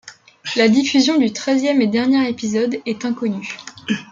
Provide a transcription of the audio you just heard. La diffusion du treizième et dernier épisode est inconnue.